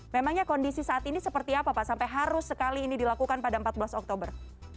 memangnya kondisi saat ini seperti apa pak sampai harus sekali ini dilakukan pada empat belas oktober